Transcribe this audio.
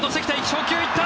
初球行った。